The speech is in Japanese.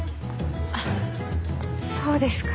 あっそうですか。